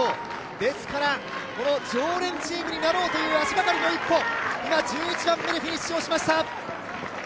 ですから常連チームになろうという足がかりの一歩、今、１１番目にフィニッシュをしました。